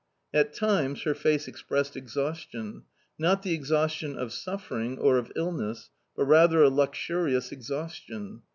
At times her face expressed exhaustion, not the exhaustion of suffering, or of illness, but rather a luxurious exhaustion.